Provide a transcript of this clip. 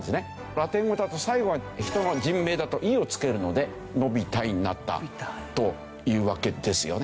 ラテン語だと最後は人の人名だと「イ」を付けるので「ノビタイ」となったというわけですよね。